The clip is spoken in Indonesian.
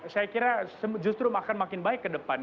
saya kira justru akan makin baik ke depan